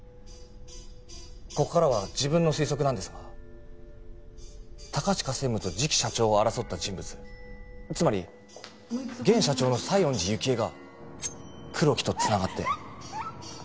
ここからは自分の推測なんですが高近専務と次期社長を争った人物つまり現社長の西園寺幸恵が黒木と繋がって。